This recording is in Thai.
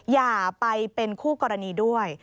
อย่าไปเป็นคู่กรณีด้วย